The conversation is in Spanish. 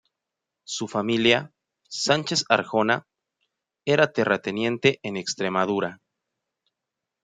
Su familia, Sánchez-Arjona, era terrateniente en Extremadura.